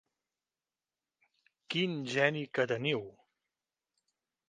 Quin geni que teniu!